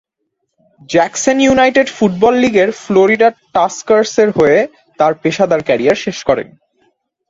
Jackson United football লীগের Florida টাস্কার্সের হয়ে তার পেশাদার ক্যারিয়ার শেষ করেন।